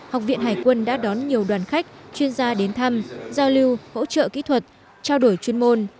học viện hải quân đã đón nhiều đoàn khách chuyên gia đến thăm giao lưu hỗ trợ kỹ thuật trao đổi chuyên môn